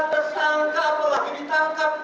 tersangka apalagi ditangkap